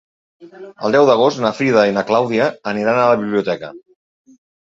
El deu d'agost na Frida i na Clàudia aniran a la biblioteca.